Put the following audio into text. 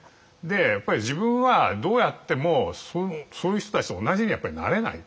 やっぱり自分はどうやってもそういう人たちと同じにはやっぱりなれない。